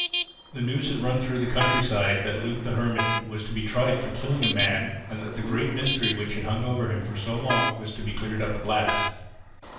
The news had run through the countryside that Luke the Hermit was to be tried for killing a man and that the great mystery which had hung over him so long was to be cleared up at last.